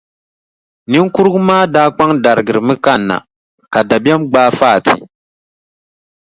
Niŋkurugu maa daa kpaŋ darigirimi kanna, ka dabiɛm gbaai Fati.